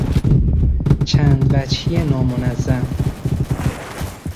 چندوجهی نامنظم